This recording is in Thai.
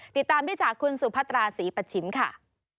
ติดตามได้จากคุณสุพัตราศรีปัชชิมค่ะ